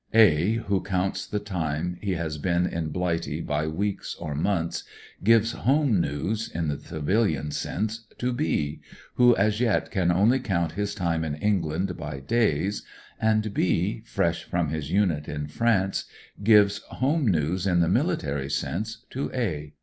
A who counts the time he has been m Blighty by weeks or months, gives home news (in the civilian sense) to B., who as yet can only count his time in England by days, and B., fresh from his unit in France, gives home news in the military sense to A.